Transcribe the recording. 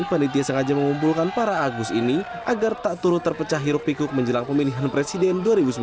panitia sengaja mengumpulkan para agus ini agar tak turut terpecah hiruk pikuk menjelang pemilihan presiden dua ribu sembilan belas